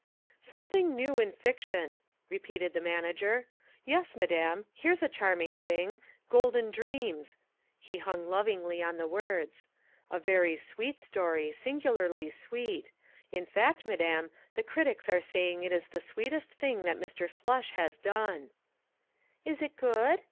"Something new in fiction," repeated the manager, "yes, madam here's a charming thing Golden Dreams" he hung lovingly on the words "a very sweet story, singularly sweet; in fact, madam, the critics are saying it is the sweetest thing that Mr. Slush has done." "Is it good?"